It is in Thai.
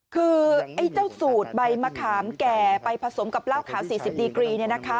คือไอ้เจ้าสูตรใบมะขามแก่ไปผสมกับเหล้าขาว๔๐ดีกรี